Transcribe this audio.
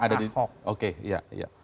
yang ada di oke ya